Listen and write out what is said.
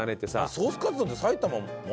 ソースカツ丼って埼玉もあったっけ？